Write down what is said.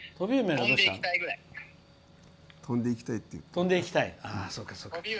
飛んでいきたいぐらい。